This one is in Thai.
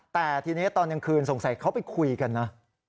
แต่ทีนี้ตอนกลางคืนสงสัยเขาไปคุยกันนะ